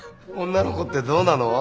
女の子ってどうなの？